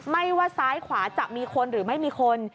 ว่าซ้ายขวาจะมีคนหรือไม่มีคน